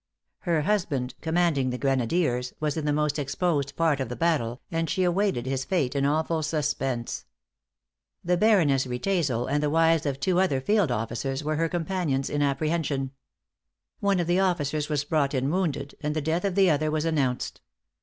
Her husband, commanding the grenadiers, was in the most exposed part of the battle, and she awaited his fate in awful suspense. The Baroness Riedesel, and the wives of two other field officers, were her companions in apprehension. One of the officers was brought in wounded, and the death of the other was announced.